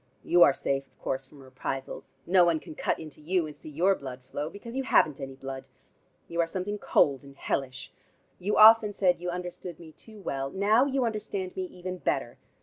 You are safe, of course, from reprisals. No one can cut into you, and see your blood flow, because you haven't any blood. You are something cold and hellish. You often said you understood me too well. Now you understand me even better.